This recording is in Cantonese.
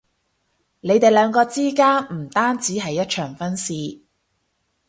你哋兩個之間唔單止係一場婚事